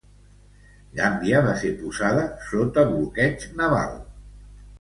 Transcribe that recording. Gàmbia va ser posada sota bloqueig naval.